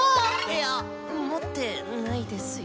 いや持ってないですよ。